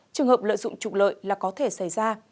trường hợp lợi dụng trục lợi là có thể xảy ra